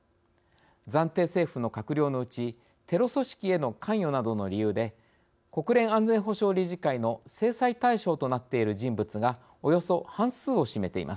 暫定政府の閣僚のうちテロ組織への関与などの理由で国連安全保障理事会の制裁対象となっている人物がおよそ半数を占めています。